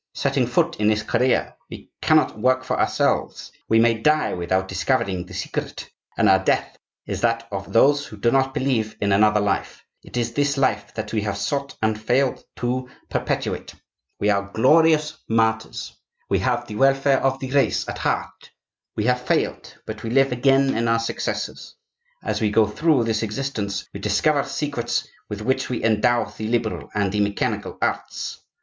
Setting foot in this career we cannot work for ourselves; we may die without discovering the Secret; and our death is that of those who do not believe in another life; it is this life that we have sought, and failed to perpetuate. We are glorious martyrs; we have the welfare of the race at heart; we have failed but we live again in our successors. As we go through this existence we discover secrets with which we endow the liberal and the mechanical arts.